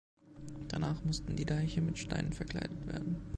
Danach mussten die Deiche mit Steinen verkleidet werden.